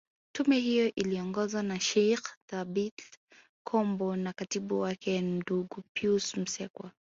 Tume hiyo iliongozwa na Sheikh Thabit Kombo na katibu wake ndugu Pius Msekwa